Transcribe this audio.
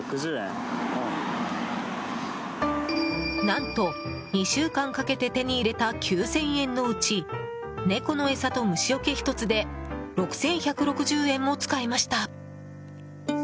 何と２週間かけて手に入れた９０００円のうち猫の餌と、虫よけ１つで６１６０円も使いました。